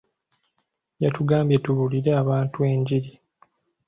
Yatugambye tubuulire abantu enjiri.